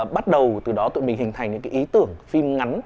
bắt đầu từ đó tụi mình hình thành những cái ý tưởng phim ngắn